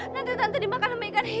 nanti tante dimakan sama ikan hiu